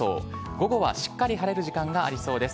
午後はしっかり晴れる時間がありそうです。